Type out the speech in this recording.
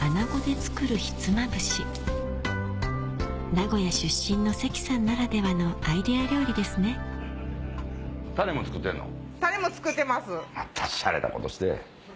名古屋出身の関さんならではのアイデア料理ですねまたシャレたことして！